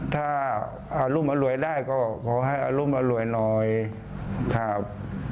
ถ้าอารุมอร่วยได้ก็ขอให้อรุมอร่วยหน่อยครับ